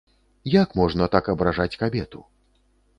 Як можна так абражаць кабету?